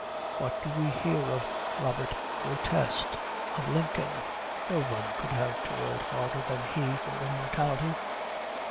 what do we hear of Robert Groteste, of Lincoln? No one could have toiled harder than he for immortality.